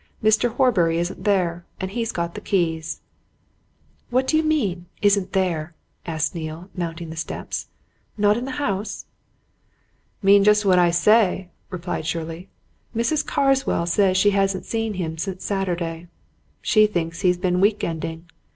"Mr. Horbury isn't there, and he's got the keys." "What do you mean isn't there!" asked Neale, mounting the steps. "Not in the house?" "Mean just what I say," replied Shirley. "Mrs. Carswell says she hasn't seen him since Saturday. She thinks he's been week ending.